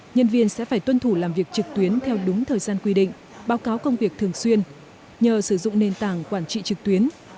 nhân viên sẽ phải tuân thủ làm việc trực tuyến theo đúng thời gian quy định báo cáo công việc thường xuyên nhờ sử dụng nền tảng quản trị trực tuyến